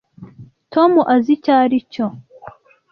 Tom azi icyo aricyo.